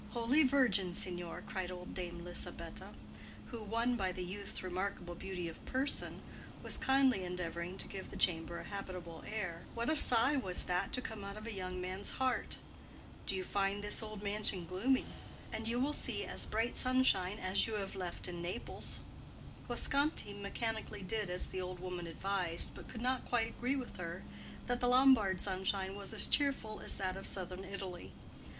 "Holy Virgin, signor!" cried old Dame Lisabetta, who, won by the youth's remarkable beauty of person, was kindly endeavoring to give the chamber a habitable air, "what a sigh was that to come out of a young man's heart! Do you find this old mansion gloomy? For the love of Heaven, then, put your head out of the window, and you will see as bright sunshine as you have left in Naples." Guasconti mechanically did as the old woman advised, but could not quite agree with her that the Paduan sunshine was as cheerful as that of southern Italy.